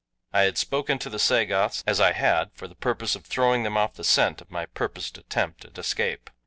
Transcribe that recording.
I had spoken to the Sagoths as I had for the purpose of throwing them off the scent of my purposed attempt at escape.